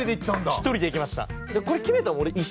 １人で行きました。